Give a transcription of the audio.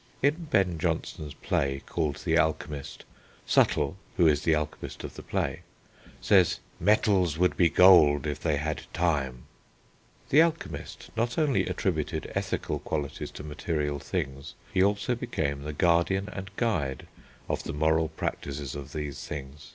In Ben Jonson's play called The Alchemist, Subtle (who is the alchemist of the play) says, "... metals would be gold if they had time." The alchemist not only attributed ethical qualities to material things, he also became the guardian and guide of the moral practices of these things.